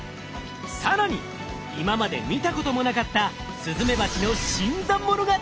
今まで見たこともなかったスズメバチの新参者が登場。